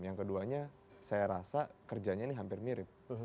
yang keduanya saya rasa kerjanya ini hampir mirip